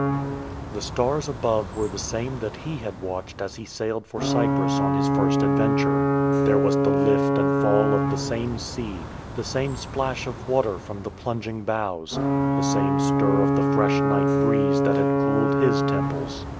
The stars above were the same that he had watched as he sailed for Cyprus on his first adventure. There was the lift and fall of the same sea, the same splash of water from the plunging bows; the same stir of the fresh night breeze that had cooled his temples.